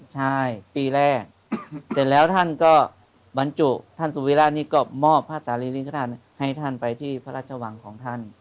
ใช่ปีแรกเสร็จแล้วท่านก็บรรจุท่านสุวิระนี่ก็มอบพระสารีรินทานให้ท่านไปที่พระราชวังของท่าน